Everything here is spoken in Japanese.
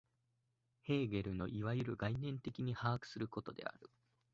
ヘーゲルのいわゆる概念的に把握することである。